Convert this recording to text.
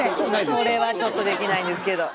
それはちょっとできないんですけど。